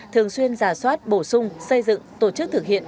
thường xuyên giả soát bổ sung xây dựng tổ chức thực hiện